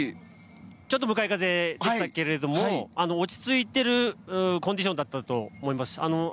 ちょっと向かい風でしたが落ち着いているコンディションだったと思います。